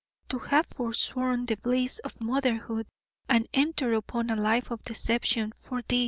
To have forsworn the bliss of motherhood and entered upon a life of deception for THIS!